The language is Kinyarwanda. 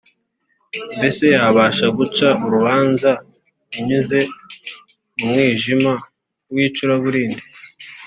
mbese yabasha guca urubanza inyuze mu mwijima w’icuraburindi’